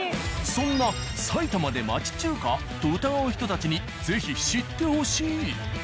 そんな埼玉で町中華？と疑う人たちに是非知ってほしい。